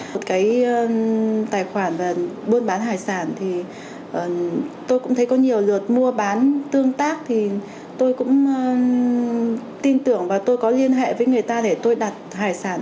một cái tài khoản buôn bán hải sản thì tôi cũng thấy có nhiều lượt mua bán tương tác thì tôi cũng tin tưởng và tôi có liên hệ với người ta để tôi đặt hải sản